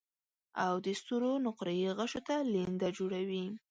او د ستورو نقره يي غشو ته لینده جوړوي